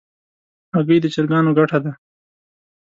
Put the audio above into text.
هګۍ د چرګانو ګټه ده.